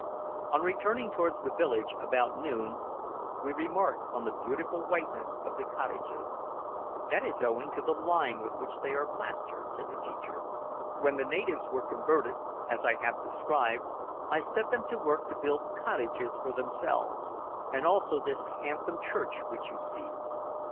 On returning towards the village, about noon, we remarked on the beautiful whiteness of the cottages. "That is owing to the lime with which they are plastered," said the teacher. "When the natives were converted, as I have described, I set them to work to build cottages for themselves, and also this handsome church which you see.